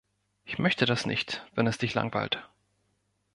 Ich möchte das nicht, wenn es dich langweilt.